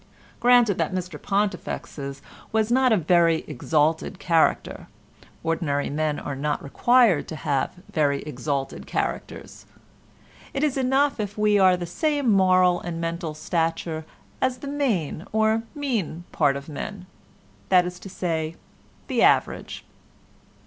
Granted that Mr Pontifex's was not a very exalted character, ordinary men are not required to have very exalted characters. It is enough if we are of the same moral and mental stature as the "main" or "mean" part of men—that is to say as the average.